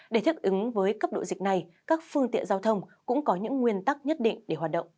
để thích ứng với cấp độ dịch này các phương tiện giao thông cũng có những nguyên tắc nhất định để hoạt động